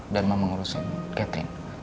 dan mama ngurusin catherine